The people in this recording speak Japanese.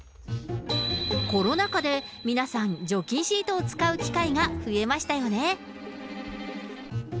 コロナ禍で皆さん、除菌シートを使う機会が増えましたよね。